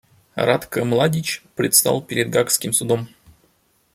Ратко Младич предстал перед Гаагским судом.